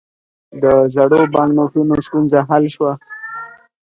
د زړو بانکنوټونو ستونزه حل شوه؟